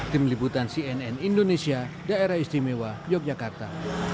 tim liputan cnn indonesia daerah istimewa yogyakarta